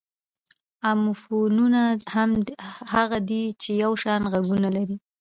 اموفونونه هغه دي، چي یو شان ږغونه لري.